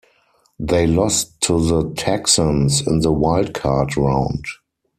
They lost to the Texans in the wild card round.